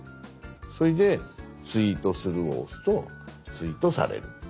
それで「ツイートする」を押すとツイートされる。